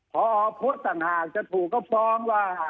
พออาวุธสั่งหากจะถูกก็ป้องว่า